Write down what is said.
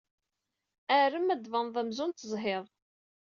Arem ad d-tbaned amzun tezhid.